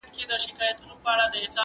بې تعلیمه نسل ستونزې زیاتوي.